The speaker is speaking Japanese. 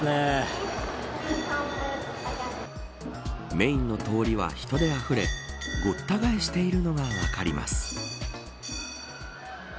メーンの通りは人であふれごった返しているのが分かります。